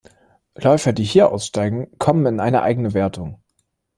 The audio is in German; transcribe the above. Läufer, die hier aussteigen, kommen in eine eigene Wertung.